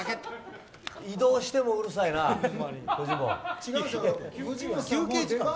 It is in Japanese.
移動してもうるさいなフジモン。